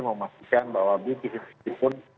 memastikan bahwa beautifikasi pun